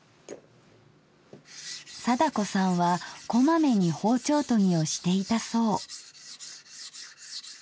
貞子さんはこまめに包丁研ぎをしていたそう。